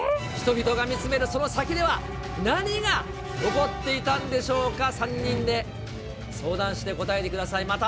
人々が見つめるその先では、何が起こっていたんでしょうか、３人で相談して答えてください。